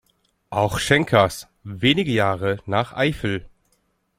Auch Schenkers wenige Jahre nach "Eifel.